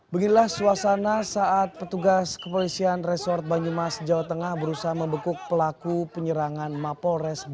beginilah suasana saat petugas kepolisian resort banyumas jawa tengah berusaha mengejar petugas yang berjaga dengan membawa senjata tajam